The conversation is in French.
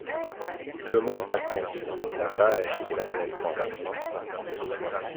Deux mondes s'affrontent, la terre et la planète Marshall.